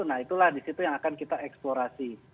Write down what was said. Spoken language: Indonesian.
nah itulah di situ yang akan kita eksplorasi